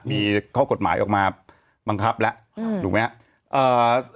มีข้อกฎหมายออกมาบังคับแล้วถูกไหมครับ